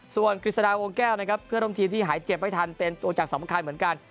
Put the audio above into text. ส่วนกฤษฎาวงแก้วนะครับเพื่อนร่วมทีมที่หายเจ็บไม่ทันเป็นตัวจักรสำคัญเหมือนกัน